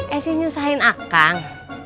eh sih nyusahin akang